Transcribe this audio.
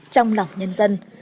trong lòng nhân dân